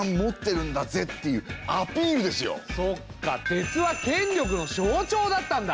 鉄は権力の象徴だったんだ！